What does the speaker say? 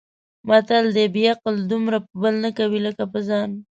متل دی: بې عقل دومره په بل نه کوي لکه په ځان.